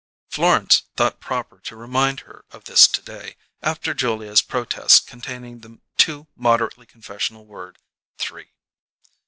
Florence thought proper to remind her of this to day, after Julia's protest containing the too moderately confessional word "three."